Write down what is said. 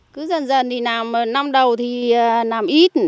cứ dần dần thì làm năm đầu thì làm ít